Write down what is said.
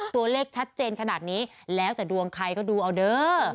ตัวเลขชัดเจนขนาดนี้แล้วแต่ดวงใครก็ดูเอาเด้อ